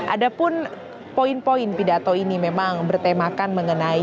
ada pun poin poin pidato ini memang bertemakan mengenai